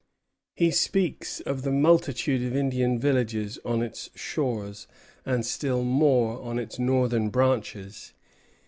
He speaks of the multitude of Indian villages on its shores, and still more on its northern branches.